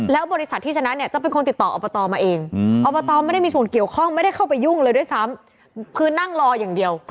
แล้วบริษัทที่ชนะเนี่ยจะเป็นคนติดต่ออบตมาเองอบตไม่ได้มีส่วนเกี่ยวข้องไม่ได้เข้าไปยุ่งเลยด้วยซ้ำคือนั่งรออย่างเดียว